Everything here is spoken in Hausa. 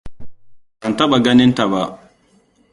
Ban taɓa ganin ta ba.